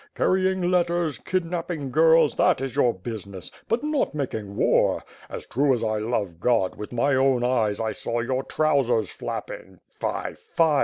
Car rying letters, kidnapping girls, that is your business; but not making war. As true as I love God, with my own eyes, I saw your trousers flapping. Fie! Fie!